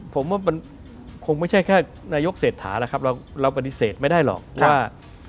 ผมว่ามันคงไม่ใช่แค่นายกเศรษฐาแล้วครับเราปฏิเสธไม่ได้หรอกว่า